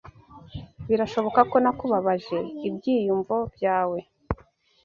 Birashoboka ko nakubabaje ibyiyumvo byawe,